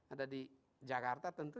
ada di jakarta tentu